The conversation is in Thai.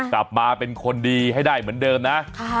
กลับมาเป็นคนดีให้ได้เหมือนเดิมนะ